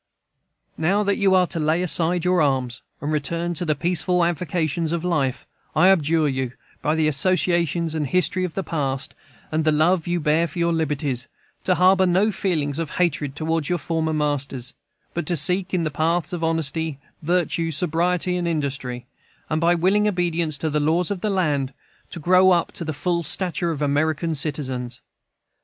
Now that you are to lay aside your arms, and return to the peaceful avocations of life, I adjure you, by the associations and history of the past, and the love you bear for your liberties, to harbor no feelings of hatred toward your former masters, but to seek in the paths of honesty, virtue, sobriety, and industry, and by a willing obedience to the laws of the land, to grow up to the full stature of American citizens.